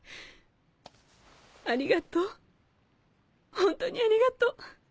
ありがとうホントにありがとう。